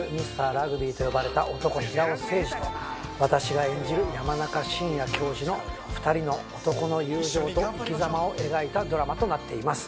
ラグビーと呼ばれた男平尾誠二と私が演じる山中伸弥教授の２人の男の友情と生き様を描いたドラマとなっています。